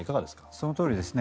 そのとおりですね。